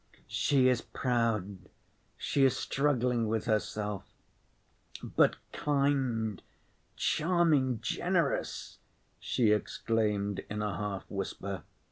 "She is proud, she is struggling with herself; but kind, charming, generous," she exclaimed, in a half‐whisper.